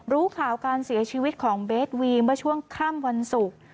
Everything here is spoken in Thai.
รู้ข่าวการเสียชีวิตของเบสวีเมื่อช่วงค่ำวันศุกร์